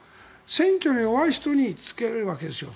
選挙に弱い人につけるわけですよ。